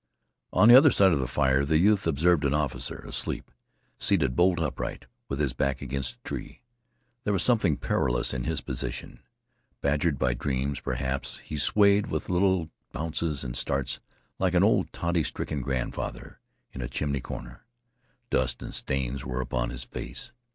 On the other side of the fire the youth observed an officer asleep, seated bolt upright, with his back against a tree. There was something perilous in his position. Badgered by dreams, perhaps, he swayed with little bounces and starts, like an old toddy stricken grandfather in a chimney corner. Dust and stains were upon his face.